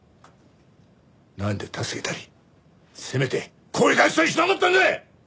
なんで助けたりせめて声出したりしなかったんだ！？